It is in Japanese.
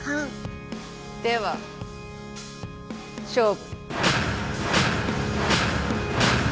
では勝負。